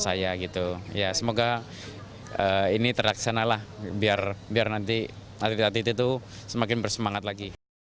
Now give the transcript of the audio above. saya gitu ya semoga ini terlaksanalah biar nanti atlet atlet itu semakin bersemangat lagi